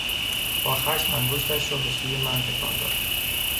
با خشم انگشتش را به سوی من تکان داد.